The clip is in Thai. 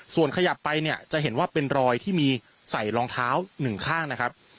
ส่วนขยับไปเนี่ยจะเห็นว่าเป็นรอยที่มีใส่รองเท้าหนึ่งข้างนะครับ